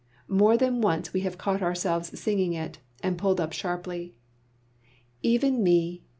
More than once we have caught ourselves singing it, and pulled up sharply: "Even me!